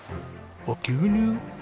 あっ牛乳？